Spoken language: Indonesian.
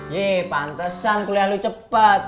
yee pantesan kuliah lu cepet